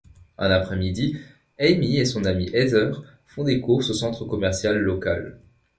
Un après-midi, Amy et son amie Heather font des courses au centre commercial local.